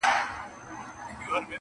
نه هګۍ پرېږدي نه چرګه په کوڅه کي،